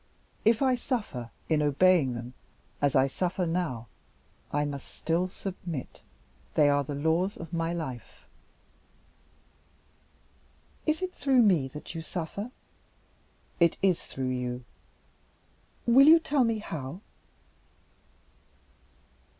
If I suffer in obeying them as I suffer now, I must still submit. They are the laws of my life." "Is it through me that you suffer?" "It is through you." "Will you tell me how?"